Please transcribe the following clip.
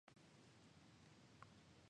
お任せください、自信があります